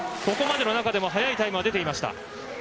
ここまでの中でも早いタイムが出ていました。